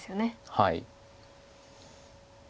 はい。